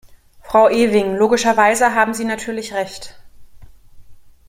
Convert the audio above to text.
Frau Ewing, logischerweise haben Sie natürlich recht.